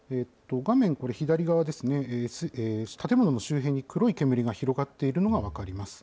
画面これ、左側ですね、建物の周辺に黒い煙が広がっているのが分かります。